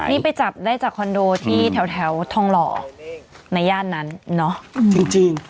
นี่ไปจับได้จากคอนโดที่แถวทองหล่อในย่านนั้นเนาะจริง